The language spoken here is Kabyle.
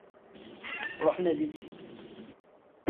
Ruḥ nadi-tt-id!